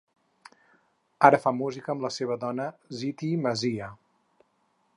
Ara fa música amb la seva dona Zeeteah Massiah.